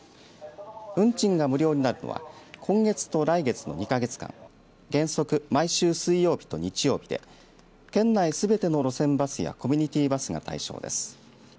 運賃が無料になるのは今月と来月の２か月間原則、毎週水曜日と日曜日で県内すべての路線バスやコミュニティバスが対象です。